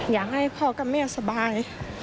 อยากให้พ่อกับแม่สบาย